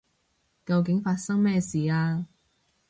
究竟發生咩事啊？